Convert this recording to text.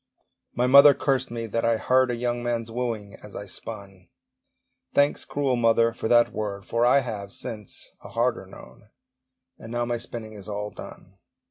My mother cursed me that I heard A young man's wooing as I spun: Thanks, cruel mother, for that word, For I have, since, a harder known! And now my spinning is all done.